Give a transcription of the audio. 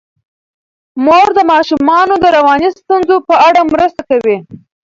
مور د ماشومانو د رواني ستونزو په اړه مرسته کوي.